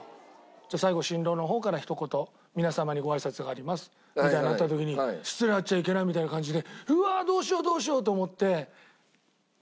「じゃあ最後新郎の方からひと言皆様にご挨拶があります」みたいになった時に失礼があっちゃいけないみたいな感じで。